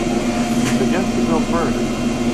You suggest to go further.